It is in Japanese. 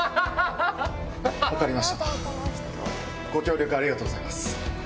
分かりましたご協力ありがとうございます。